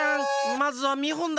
まずはみほんだ！